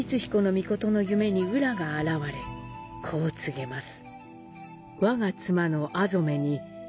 命の夢に温羅が現れ、こう告げます。